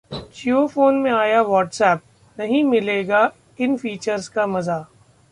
JioPhone में आया WhatsApp, नहीं मिलेगा इन फीचर्स का मजा